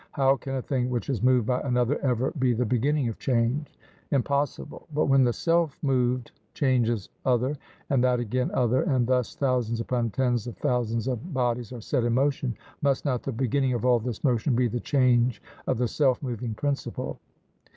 How can a thing which is moved by another ever be the beginning of change? Impossible. But when the self moved changes other, and that again other, and thus thousands upon tens of thousands of bodies are set in motion, must not the beginning of all this motion be the change of the self moving principle?